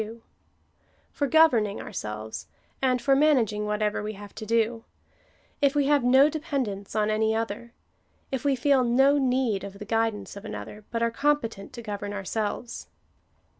2) for governing ourselves, and for managing whatever we have to do — if we have no depend ence on any other* — if we feel no need of the guidance of another, but are competent to govern ourselves.